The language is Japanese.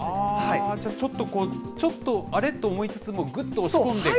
じゃあ、ちょっと、あれっと思いつつも、ぐっと押し込んで。